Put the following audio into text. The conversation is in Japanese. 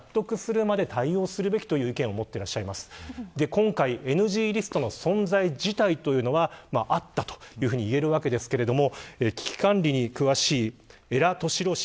今回ＮＧリストの存在自体というのはあったというふうにいえるわけですが危機管理に詳しい江良俊郎氏。